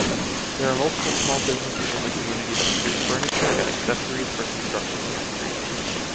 There are multiple small business in the community that produce furniture and accessories for construction industry.